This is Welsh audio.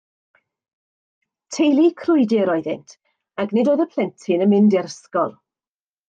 Teulu crwydr oeddynt, ac nid oedd y plentyn yn mynd i'r ysgol.